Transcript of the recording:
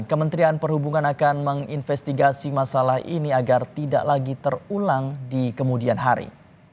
kementerian perhubungan akan menginvestigasi masalah ini agar tidak lagi terulang di kemudian hari